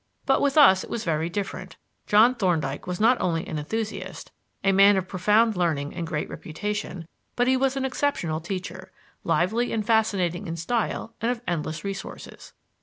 But with us it was very different: John Thorndyke was not only an enthusiast, a man of profound learning and great reputation, but he was an exceptional teacher, lively and fascinating in style and of endless resources.